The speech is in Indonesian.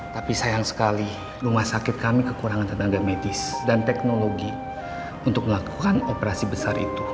tapi sayang sekali rumah sakit kami kekurangan tenaga medis dan teknologi untuk melakukan operasi besar itu